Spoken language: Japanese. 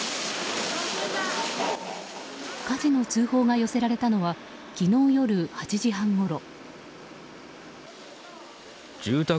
火事の通報が寄せられたのは昨日夜８時半ごろ。